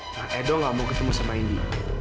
nah edo gak mau ketemu sama indi